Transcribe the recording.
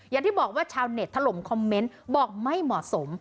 อย่างที่บอกว่าชาวเน็ตถล่มคอมเมนต์บอกไม่เหมาะสม